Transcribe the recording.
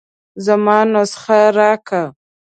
زما نسخه راکه.